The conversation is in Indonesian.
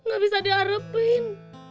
gak bisa diharapin